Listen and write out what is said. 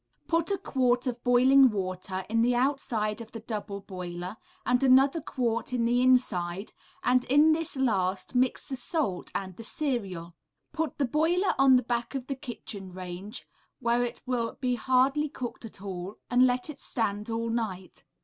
Put a quart of boiling water in the outside of the double boiler, and another quart in the inside, and in this last mix the salt and cereal. Put the boiler on the back of the kitchen range, where it will be hardly cook at all, and let it stand all night.